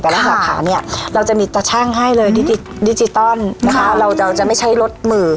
สาขาเนี่ยเราจะมีตาชั่งให้เลยดิจิตอลนะคะเราจะไม่ใช้รถมือ